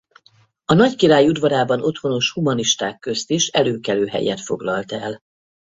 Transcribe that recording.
A nagy király udvarában otthonos humanisták közt is előkelő helyet foglalt el.